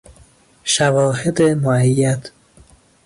شواهد موید